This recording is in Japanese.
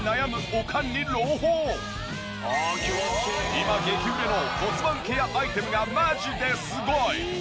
今激売れの骨盤ケアアイテムがマジですごい！